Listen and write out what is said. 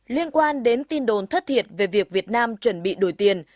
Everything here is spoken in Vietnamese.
liên quan đến tin đồn thất thiệt về việc việt nam chuẩn bị đổi tiền